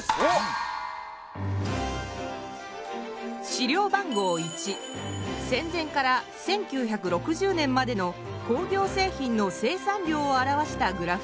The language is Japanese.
資料番号１戦前から１９６０年までの工業製品の生産量を表したグラフです。